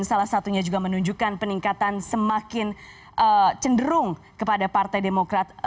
dan salah satunya juga menunjukkan peningkatan semakin cenderung kepada partai demokrat